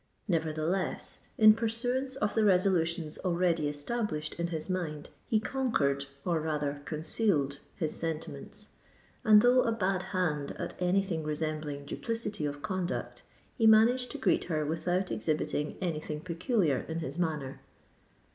Nevertheless, in pursuance of the resolutions already established in his mind, he conquered—or rather, concealed his sentiments; and, though a bad hand at any thing resembling duplicity of conduct, he managed to greet her without exhibiting any thing peculiar in his manner.